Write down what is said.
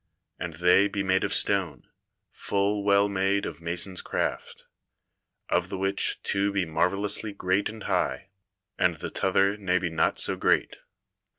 And they be made of stone, full well made of mason's craft; of the which two be marvellously great and high, and the tother ne be not so great.